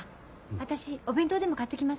私お弁当でも買ってきます。